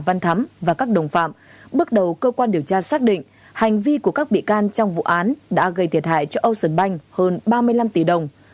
văn thắm và các đồng phạm bước đầu cơ quan điều tra xác định hành vi của các bị can trong vụ án đã gây thiệt hại cho ocean bank hơn ba mươi năm tỷ đồng